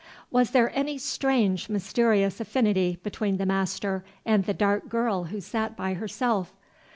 Was there any strange, mysterious affinity between the master and the dark girl who sat by herself?